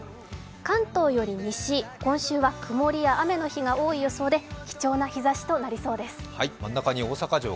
関東より西、今週は曇りや雨の日が多い予想で貴重な日ざしとなりそうです。